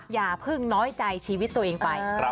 อย่าเพิ่งน้อยใจชีวิตตัวเองไป